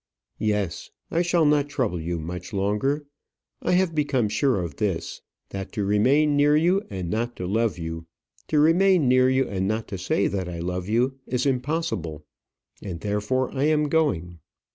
"Yes. I shall not trouble you much longer. I have become sure of this: that to remain near you and not to love you, to remain near you and not to say that I love you is impossible. And therefore I am going."